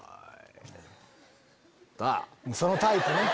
そのタイプね。